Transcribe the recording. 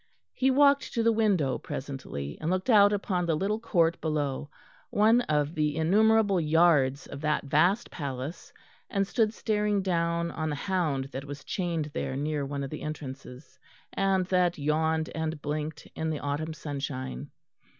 He walked to the window presently and looked out upon the little court below, one of the innumerable yards of that vast palace, and stood staring down on the hound that was chained there near one of the entrances, and that yawned and blinked in the autumn sunshine.